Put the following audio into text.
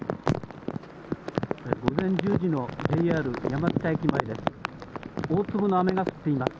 午前１０時のＪＲ山北駅前です。